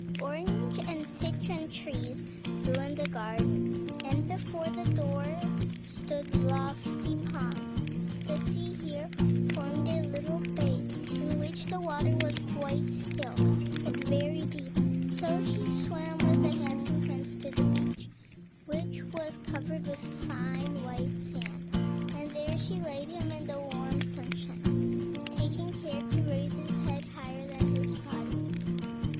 Orange and citron trees grew in the garden, and before the door stood lofty palms. The sea here formed a little bay, in which the water was quite still, but very deep; so she swam with the handsome prince to the beach, which was covered with fine, white sand, and there she laid him in the warm sunshine, taking care to raise his head higher than his body.